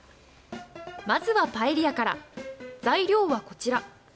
まずはパエリアから、材料はこちら。